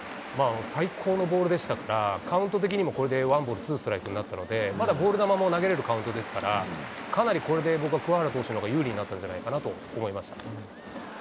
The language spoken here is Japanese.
最高のボールでしたから、カウント的にもこれでワンボールツーストライクになったので、まだボール球も投げれるカウントですから、かなりこれで僕は、鍬原投手のほうが有利になったんじゃないかなと思いました。